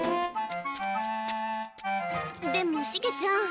でもおシゲちゃん。